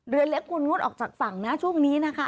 เรือเล็กคุณงดออกจากฝั่งนะช่วงนี้นะคะ